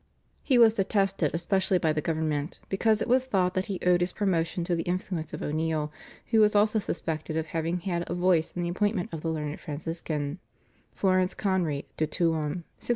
He was detested especially by the government, because it was thought that he owed his promotion to the influence of O'Neill, who was also suspected of having had a voice in the appointment of the learned Franciscan, Florence Conry to Tuam (1609).